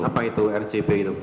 apa itu rgp itu